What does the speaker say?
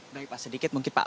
baik pak sedikit mungkin pak